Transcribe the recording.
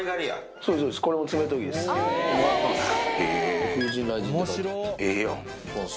そうですね。